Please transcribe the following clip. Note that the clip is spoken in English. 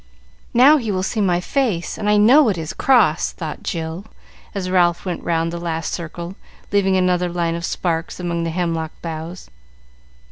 "Now he will see my face, and I know it is cross," thought Jill, as Ralph went round the last circle, leaving another line of sparks among the hemlock boughs.